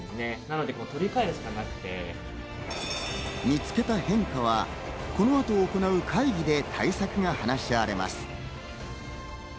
見つけた変化はこの後行う会議で対策が話し合われます。